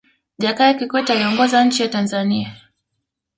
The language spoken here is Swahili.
jakaya kikwete aliongoza nchi ya tanzania